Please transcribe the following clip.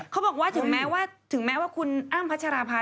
เขาบอกว่าถึงแม้ว่าถึงแม้ว่าคุณอ้ำพัชราภา